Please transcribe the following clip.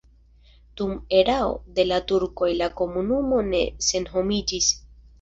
Dum erao de la turkoj la komunumo ne senhomiĝis.